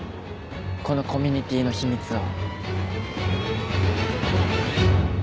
このコミュニティーの秘密を。